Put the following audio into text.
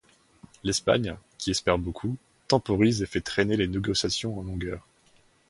L’Espagne, qui espère beaucoup, temporise et fait traîner les négociations en longueur.